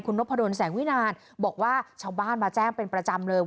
นพดลแสงวินานบอกว่าชาวบ้านมาแจ้งเป็นประจำเลย